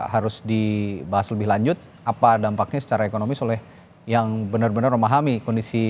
harus dibahas lebih lanjut apa dampaknya secara ekonomis oleh yang benar benar memahami kondisi